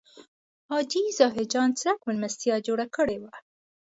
حاجي ظاهر جان څرک مېلمستیا جوړه کړې وه.